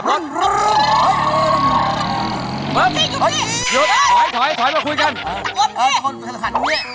เออตะโกนขันอย่างงี้